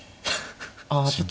ああちょっと。